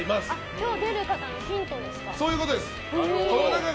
今日、出る方のヒントですか。